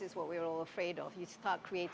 ya benar ini adalah hal yang kami takutkan